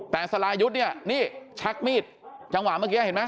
แต่สรายุทธ์เนี่ยนี่ชักมีดจังหวะเมื่อกี้เห็นไหม